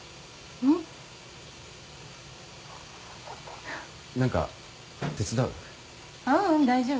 ううん大丈夫。